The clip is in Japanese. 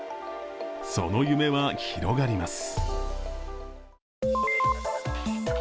その夢は広がります。